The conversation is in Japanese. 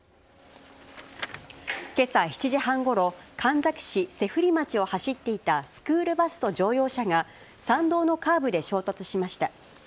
けさ７時半ごろ、神埼市脊振町を走っていたスクールバスと乗用車が、山道のカーブで衝突しました。